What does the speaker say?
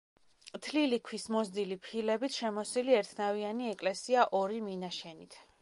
თლილი ქვის მოზრდილი ფილებით შემოსილი ერთნავიანი ეკლესია ორი მინაშენით.